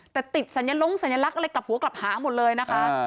แต่ติดสัญล้งสัญลักษณ์อะไรกลับหัวกลับหาหมดเลยนะคะ